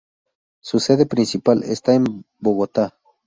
Su sede principal está en Bogotá.